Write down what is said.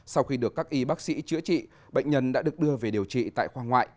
sau khi được các y bác sĩ chữa trị bệnh nhân đã được đưa về điều trị tại khoa ngoại